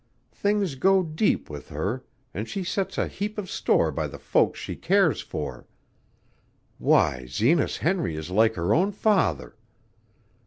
Things go deep with her, an' she sets a heap of store by the folks she cares for. Why, Zenas Henry is like her own father.